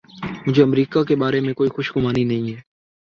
مجھے امریکہ کے بارے میں کوئی خوش گمانی نہیں ہے۔